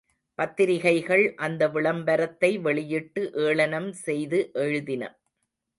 பத்திரிகைகள் அந்த விளம்பரத்தை வெளியிட்டு ஏளனம் செய்து எழுதின.